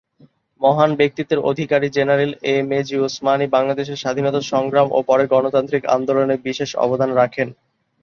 মহান ব্যক্তিত্বের অধিকারী general M A G Osmani বাংলাদেশের স্বাধীনতা সংগ্রাম ও পরে গণতান্ত্রিক আন্দোলনে বিশেষ অবদান রাখেন।